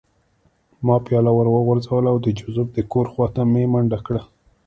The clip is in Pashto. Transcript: ما پیاله وغورځوله او د جوزف د کور خوا ته مې منډه کړه